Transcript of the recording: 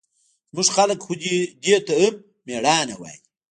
زموږ خلق خو دې ته هم مېړانه وايي.